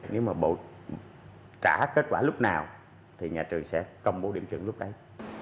nếu mà bộ trả kết quả lúc nào thì nhà trường sẽ công bố điểm chuẩn lúc ấy